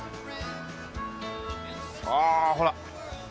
ああほら。